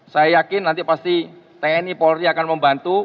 saya yakin nanti pasti tni polri akan membantu